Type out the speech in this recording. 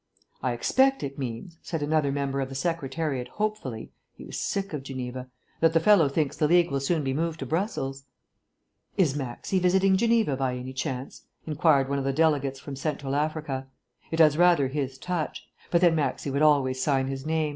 "I expect it means," said another member of the Secretariat hopefully (he was sick of Geneva), "that the fellow thinks the League will soon be moved to Brussels." "Is Maxse visiting Geneva by any chance?" inquired one of the delegates from Central Africa. "It has rather his touch. But then Maxse would always sign his name.